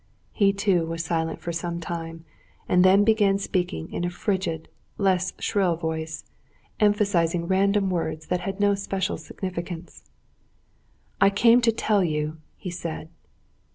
He too was silent for some time, and then began speaking in a frigid, less shrill voice, emphasizing random words that had no special significance. "I came to tell you...." he said.